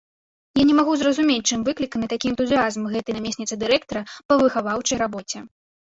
Я не магу зразумець, чым выкліканы такі энтузіязм гэтай намесніцы дырэктара па выхаваўчай рабоце.